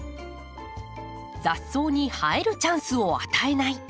雑草に生えるチャンスを与えない！